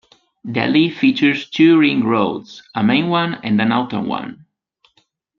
Delhi features two ring roads, a main one and an outer one.